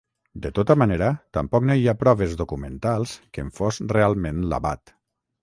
De tota manera, tampoc no hi ha proves documentals que en fos realment l'abat.